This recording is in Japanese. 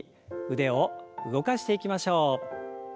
腕を動かしていきましょう。